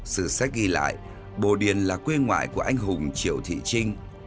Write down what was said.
sự sách ghi lại bồ điền là quê ngoại của anh hùng triệu thị trinh